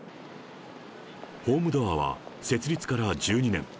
ホームドアは設立から１２年。